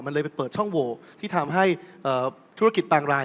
มันเลยไปเปิดช่องโหวที่ทำให้ธุรกิจบางราย